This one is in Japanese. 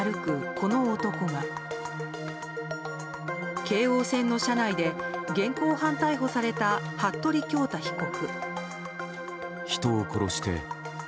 この男が京王線の車内で現行犯逮捕された服部恭太被告。